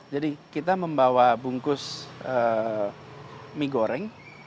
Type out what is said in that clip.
jadi kita membawa bungkus mie goreng